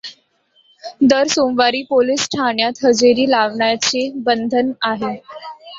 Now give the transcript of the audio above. दर सोमवारी पोलीस ठाण्यात हजेरी लावण्याचे बंधन.